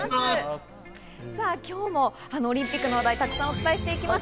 今日もオリンピックの話題をたくさんお伝えしていきます。